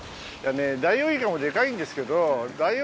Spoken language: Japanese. ダイオウイカもデカいんですけど。